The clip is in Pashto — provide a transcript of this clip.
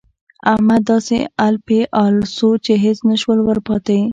احمد داسې الپی الا سو چې هيڅ نه شول ورپاته.